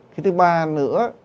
cái thứ ba nữa